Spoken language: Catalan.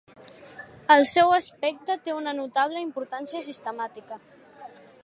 El seu aspecte té una notable importància sistemàtica.